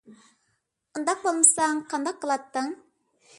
ئۇنداق بولمىساڭ قانداق قىلاتتىڭ؟